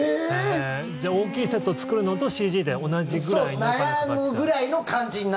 ええ？じゃあ大きいセットを作るのとＣＧで同じぐらいの感じ。